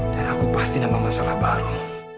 dan aku pasti nambah masalah baru